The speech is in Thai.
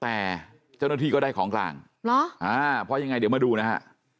แต่เจ้าหน้าที่ก็ได้ของกลางเหรออ่าเพราะยังไงเดี๋ยวมาดูนะฮะ